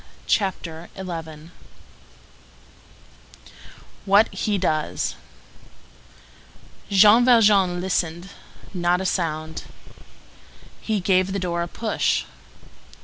CHAPTER XI—WHAT HE DOES Jean Valjean listened. Not a sound. He gave the door a push.